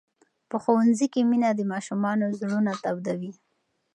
په ښوونځي کې مینه د ماشومانو زړونه تودوي.